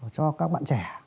cho các bạn trẻ